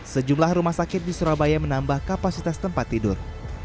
sejumlah rumah sakit di surabaya menambah kapasitas tempat tidur